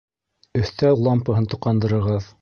Өҫтәл лампаһын тоҡандырығыҙ